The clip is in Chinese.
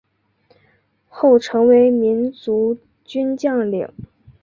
后成为民族军将领。